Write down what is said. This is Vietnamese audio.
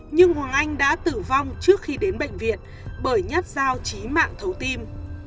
nhưng hoàng anh đã tử vong trước khi đến bệnh viện bởi nhát dao chí mạng thấu tim